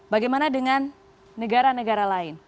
bagaimana dengan negara negara lain